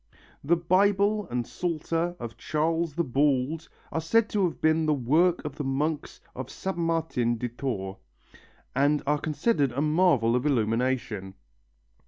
The Bible and Psalter of Charles the Bald are said to have been the work of the monks of Saint Martin de Tours, and are considered a marvel of illumination.